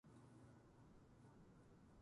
鹿児島県南さつま市